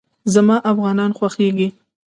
زما افغانان خوښېږي